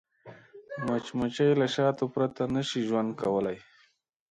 مچمچۍ له شاتو پرته نه شي ژوند کولی